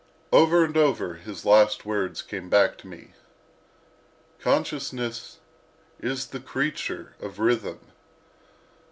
Over and over, his last words came back to me: "Consciousness is the creature of Rhythm."